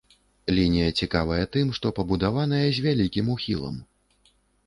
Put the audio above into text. Лінія цікавая тым, што пабудаваная з вялікім ухілам.